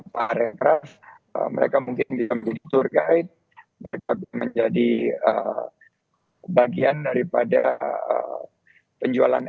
pak rekraf mereka mungkin bisa menjadi tour guide mereka bisa menjadi bagian daripada penjualan ekonomi